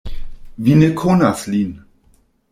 Vi ne konas lin.